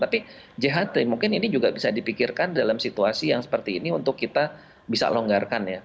tapi jht mungkin ini juga bisa dipikirkan dalam situasi yang seperti ini untuk kita bisa longgarkan ya